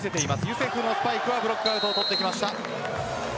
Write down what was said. ユセフのスパイクはブロックアウトを取ってきました。